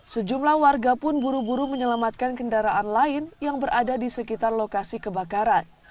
sejumlah warga pun buru buru menyelamatkan kendaraan lain yang berada di sekitar lokasi kebakaran